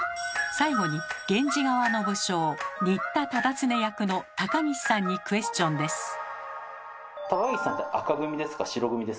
最後に源氏側の武将仁田忠常役の高岸さんにクエスチョンです。